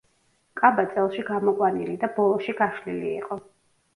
კაბა წელში გამოყვანილი და ბოლოში გაშლილი იყო.